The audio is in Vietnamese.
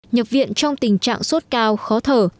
nhập viện trong tình trạng sốt cao khó thở